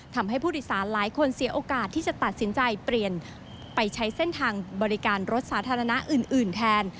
ทำให้ผู้โดยสารหลายคนเสียโอกาสที่จะตัดสินใจเปลี่ยนไปใช้เส้นทางบริการรถสาธารณะอื่นแทน